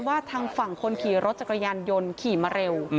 ว่าทางฝั่งคนขี่รถจักรยานยนต์ขี่มาเร็ว